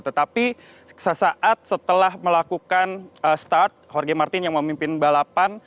tetapi sesaat setelah melakukan start jorge martin yang memimpin balapan